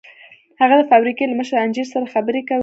هغه د فابريکې له مشر انجنير سره خبرې کولې.